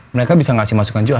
mereka bisa ngasih masukan juga